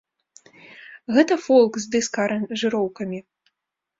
Гэта фолк, з дыска-аранжыроўкамі.